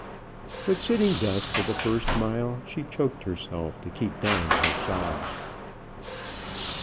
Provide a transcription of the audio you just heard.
But sitting thus for the first mile, she choked herself to keep down her sobs.